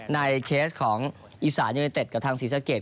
เคสของอีสานยูเนเต็ดกับทางศรีสะเกด